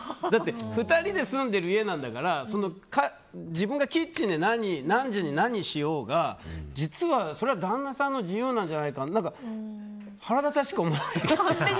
２人で住んでる家なんだから自分がキッチンで何時に何をしようが実は、それは旦那さんの自由なんじゃないかなって腹立たしく思えてきた。